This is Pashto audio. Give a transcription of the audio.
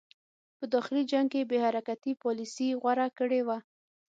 په داخلي جنګ کې یې بې حرکتي پالیسي غوره کړې وه.